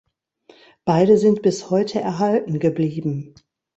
Beide sind bis heute erhalten geblieben.